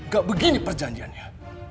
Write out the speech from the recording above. gak begini perjanjiannya